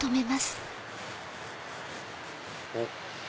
おっ。